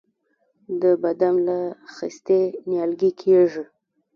د بادام له خستې نیالګی کیږي؟